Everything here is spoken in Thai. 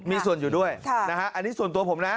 อันนี้ส่วนตัวผมนะ